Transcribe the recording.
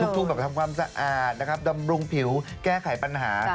ทุกแบบทำความสะอาดนะครับดำรุงผิวแก้ไขปัญหา